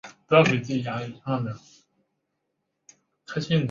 有的专业则提供纯英语授课。